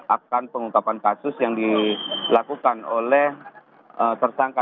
akan pengungkapan kasus yang dilakukan oleh tersangka